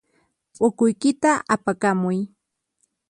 P'ukuykita apakamuy.